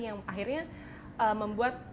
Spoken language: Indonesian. yang akhirnya membuat